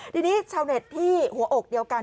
ทีนี้ชาวเน็ตที่หัวอกเดียวกัน